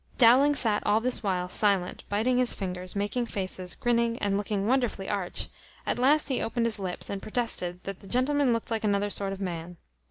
Dowling sat all this while silent, biting his fingers, making faces, grinning, and looking wonderfully arch; at last he opened his lips, and protested that the gentleman looked like another sort of man.